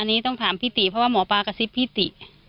อันนี้ต้องถามพี่ติเพราะว่าหมอปลากระซิบพี่ติ